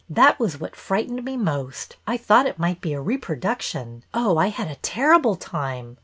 That was what frightened me most. I thought it might be a reproduction. Oh, I had a terrible time